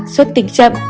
ba xuất tình chậm